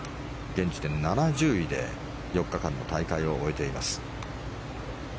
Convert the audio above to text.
現時点、７０位で４日間の大会を終えています。